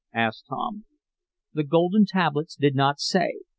asked Tom. "The golden tablets did not say.